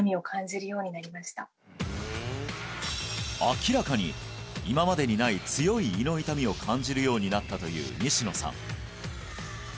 明らかに今までにないを感じるようになったという西野さん